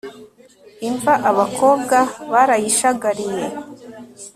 imva abakobwa barayishagariye